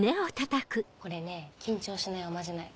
これね緊張しないおまじない。